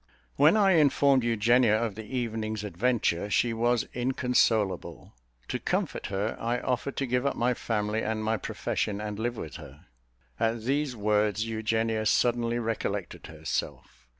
When I informed Eugenia of the evening's adventure, she was inconsolable: to comfort her, I offered to give up my family and my profession, and live with her. At these words, Eugenia suddenly recollected herself.